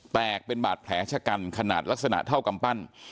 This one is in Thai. แตกเป็นบาดแผลชะกันขนาดลักษณะเท่ากำปั้น